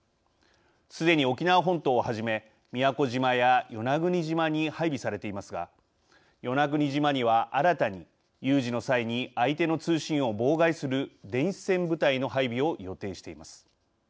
すでに沖縄本島をはじめ宮古島や与那国島に配備されていますが与那国島には新たに有事の際に相手の通信を妨害する電子戦部隊の配備を予定しています。